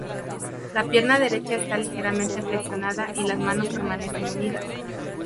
La pierna derecha está ligeramente flexionada y las manos permanecen unidas.